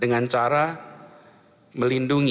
dengan cara melindungi